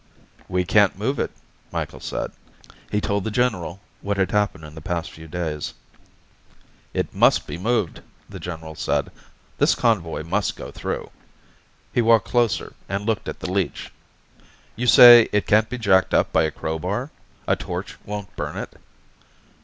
"We can't move it," Micheals said. He told the general what had happened in the past few days. "It must be moved," the general said. "This convoy must go through." He walked closer and looked at the leech. "You say it can't be jacked up by a crowbar? A torch won't burn it?"